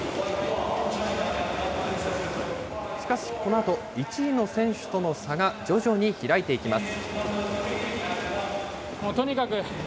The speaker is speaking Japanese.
しかし、このあと、１位の選手との差が徐々に開いていきます。